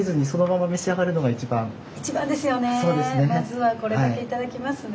まずはこれだけいただきますね。